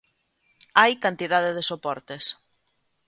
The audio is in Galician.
Hai cantidade de soportes.